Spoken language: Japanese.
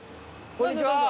こんにちは